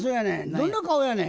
どんな顔やねん。